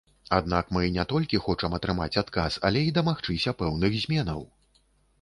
Аднак мы не толькі хочам атрымаць адказ, але і дамагчыся пэўных зменаў.